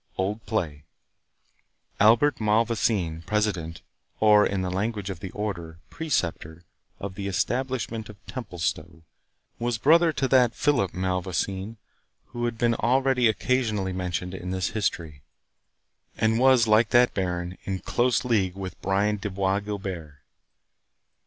OLD PLAY Albert Malvoisin, President, or, in the language of the Order, Preceptor of the establishment of Templestowe, was brother to that Philip Malvoisin who has been already occasionally mentioned in this history, and was, like that baron, in close league with Brian de Bois Guilbert.